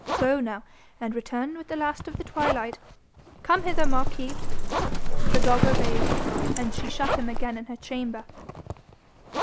Go now, and return with the last of the twilight. Come hither, Marquis.' The dog obeyed, and she shut him again in her chamber.